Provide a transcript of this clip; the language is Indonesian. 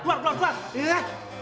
keluar keluar keluar